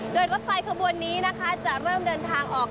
โดยรถไฟขบวนนี้นะคะจะเริ่มเดินทางออก